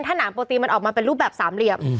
ถ้าหนังโปรตีนมันออกมาเป็นรูปแบบสามเหลี่ยม